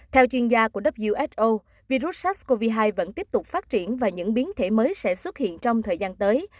theo chuyên gia của who virus sars cov hai vẫn tiếp tục phát triển và những biến thể mới sẽ xuất hiện trong thời gian tới